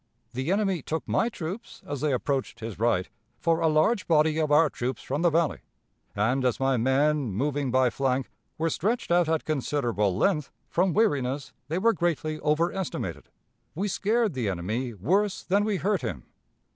The enemy took my troops, as they approached his right, for a large body of our troops from the Valley; and as my men, moving by flank, were stretched out at considerable length, from weariness, they were greatly over estimated. We scared the enemy worse than we hurt him....